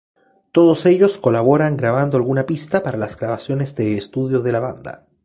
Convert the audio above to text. Todos ellos colaboran grabando alguna pista para las grabaciones de estudio de la banda.